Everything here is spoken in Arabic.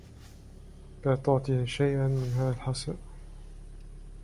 لا تعطه شيئا من هذا الحساء.